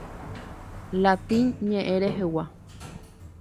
Latín ñe'ẽ rehegua.